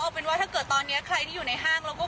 เขายิงเราได้ยินเสียงปืนสมท้ายมันไม่ตลกเลย